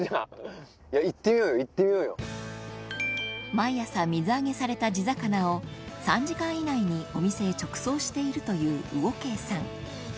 毎朝水揚げされた地魚を３時間以内にお店へ直送しているという魚敬さん